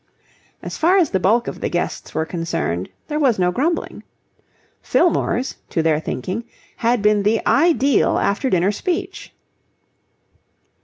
As far as the bulk of the guests were concerned, there was no grumbling. Fillmore's, to their thinking, had been the ideal after dinner speech.